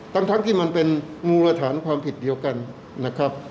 ทั้งที่มันเป็นมูลฐานความผิดเดียวกันนะครับ